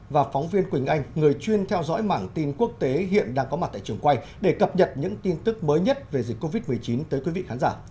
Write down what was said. và phóng viên quỳnh anh người chuyên theo dõi mảng tin quốc tế hiện đang có mặt tại trường quay để cập nhật những tin tức mới nhất về dịch covid một mươi chín tới quý vị khán giả